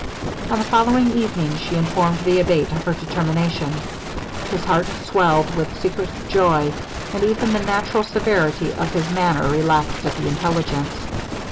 On the following evening she informed the Abate of her determination. His heart swelled with secret joy; and even the natural severity of his manner relaxed at the intelligence.